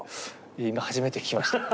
今初めて聞きました。